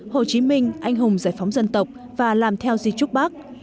hồ chí minh anh hùng giải phóng dân tộc và làm theo di trúc bác